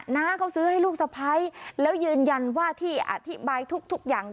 น้าเขาซื้อให้ลูกสะพ้ายแล้วยืนยันว่าที่อธิบายทุกอย่าง